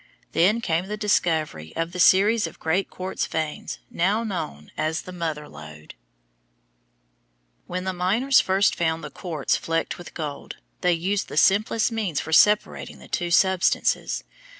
Then came the discovery of the series of great quartz veins now known as the Mother Lode. [Illustration: FIG. 102. AN ARASTRA] When the miners first found the quartz flecked with gold, they used the simplest means for separating the two substances.